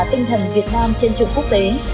tinh thần việt nam trên trường quốc tế